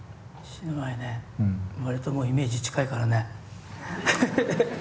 死ぬ前ね割ともうイメージ近いからね。